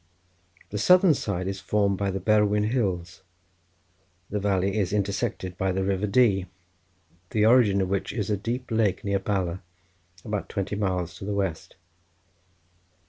The southern side is formed by the Berwyn hills. The valley is intersected by the River Dee, the origin of which is a deep lake near Bala, about twenty miles to the west.